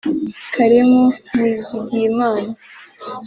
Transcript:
Karim Nizigiyamana